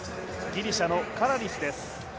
ギリシャのカラリスです。